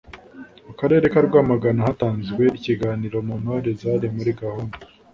Mu Karere ka Rwamagana hatanzwe ikiganiro mu ntore zari muri gahunda